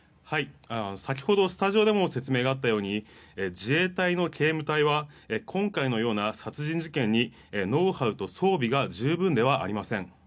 先ほどスタジオでも説明があったように自衛隊の警務隊は今回のような殺人事件にノウハウと装備が十分ではありません。